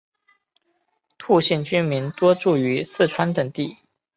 兔姓居民多住于四川等地。